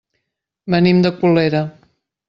Venim de Colera.